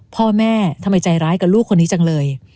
พ่อแม่ทำไมใจร้ายกับลูกคนนี้จังเลย